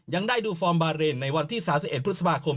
ยังได้ดูฟอร์มบาเรนในวันที่๓๑พฤษภาคม